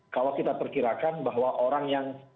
kalau kita perkirakan bahwa orang yang